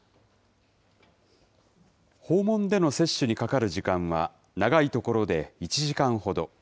訪問での接種にかかる時間は、長い所で１時間ほど。